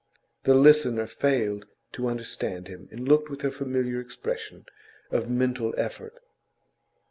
The listener failed to understand him, and looked with her familiar expression of mental effort.